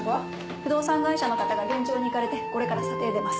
不動産会社の方が現調に行かれてこれから査定出ます。